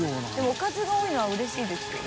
おかずが多いのはうれしいですよね。